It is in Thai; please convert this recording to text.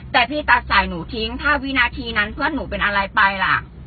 แต่พี่ตัดสายหนูทิ้งถ้าวินาทีนั้นเพื่อนหนูเป็นอะไรไปล่ะ